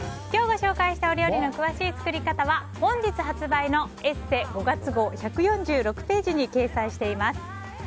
今日ご紹介した料理の詳しい作り方は本日発売の「ＥＳＳＥ」５月号１４６ページに掲載しています。